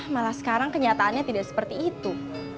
malah sekarang kenyataannya tidak seperti itu